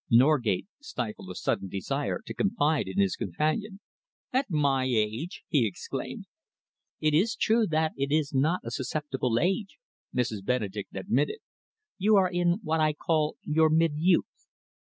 Norgate stifled a sudden desire to confide in his companion. "At my age!" he exclaimed. "It is true that it is not a susceptible age," Mrs. Benedek admitted. "You are in what I call your mid youth.